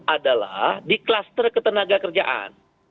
adalah di kluster ketenaga kerjaan